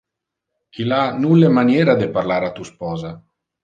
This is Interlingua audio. Il ha nulle maniera de parlar a tu sposa.